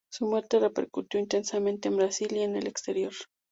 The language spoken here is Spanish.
Su muerte repercutió intensamente en Brasil y en el exterior.